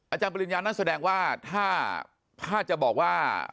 อาจารย์บริญญาณนั้นแสดงว่าถ้าจะบอกว่า